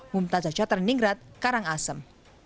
mumtazah chaterningrat karangasem